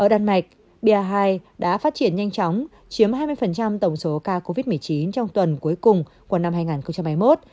đan mạch ba đã phát triển nhanh chóng chiếm hai mươi tổng số ca covid một mươi chín trong tuần cuối cùng của năm hai nghìn hai mươi một